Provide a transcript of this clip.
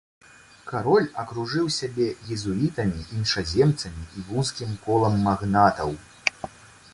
Кароль акружыў сябе езуітамі, іншаземцамі і вузкім колам магнатаў.